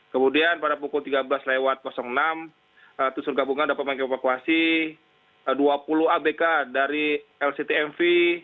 kemudian pada pukul tiga belas enam tusur gabungan dapat mengevakuasi dua puluh abk dari lctmv